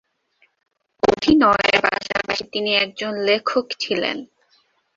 অভিনয়ের পাশাপাশি তিনি একজন লেখক ছিলেন।